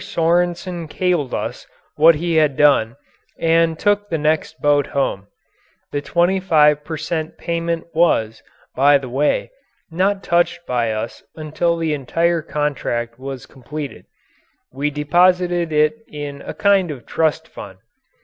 Sorensen cabled us what he had done and took the next boat home. The 25 five per cent. payment was, by the way, not touched by us until after the entire contract was completed: we deposited it in a kind of trust fund.